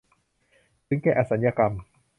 ถึงแก่อสัญกรรม